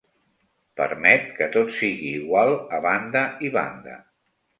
Permet que tot sigui igual a banda i banda.